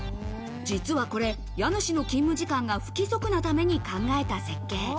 実はこれ、家主の勤務時間が不規則なために考えた設計。